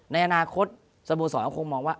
ในอนาคตสมมุติศาสตร์เราคงมองว่า